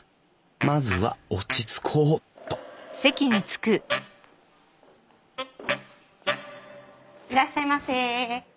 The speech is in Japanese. まずは落ち着こうっといらっしゃいませ。